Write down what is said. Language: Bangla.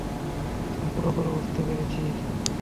আমি পুরোপুরি বুঝতে পেরেছি।